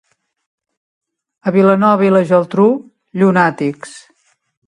A Vilanova i la Geltrú, llunàtics.